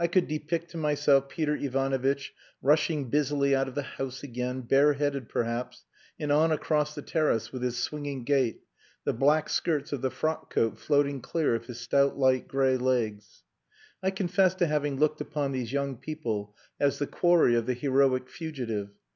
I could depict to myself Peter Ivanovitch rushing busily out of the house again, bareheaded, perhaps, and on across the terrace with his swinging gait, the black skirts of the frock coat floating clear of his stout light grey legs. I confess to having looked upon these young people as the quarry of the "heroic fugitive."